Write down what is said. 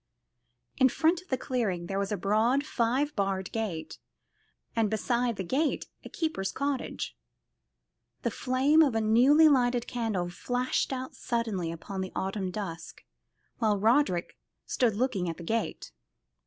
In front of the clearing there was a broad five barred gate, and beside the gate a keeper's cottage. The flame of a newly lighted candle flashed out suddenly upon the autumn dusk, while Roderick stood looking at the gate.